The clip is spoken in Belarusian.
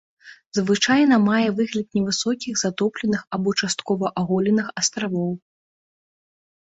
Звычайна мае выгляд невысокіх затопленых або часткова аголеных астравоў.